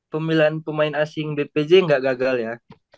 pemilihan pemain asing bpj nggak gagal ya